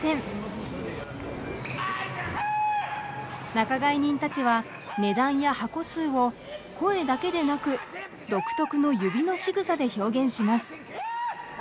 仲買人たちは値段や箱数を声だけでなく独特の指のしぐさで表現します。